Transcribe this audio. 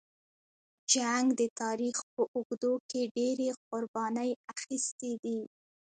جنګ د تاریخ په اوږدو کې ډېرې قربانۍ اخیستې دي.